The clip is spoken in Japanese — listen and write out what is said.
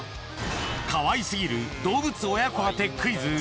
可愛すぎる動物親子当てクイズ。